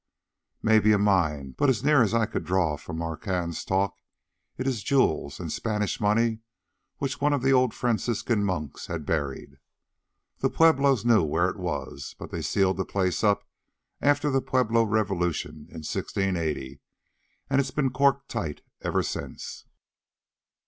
"Maybe a mine, but as near as I could draw from Marquand's talk it is jewels and Spanish money which one of the old Franciscan monks had buried. The Pueblos knew where it was, but they sealed the place up after the Pueblo revolution in 1680, and it's been corked tight ever since."